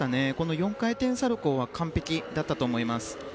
４回転サルコウは完璧だったと思います。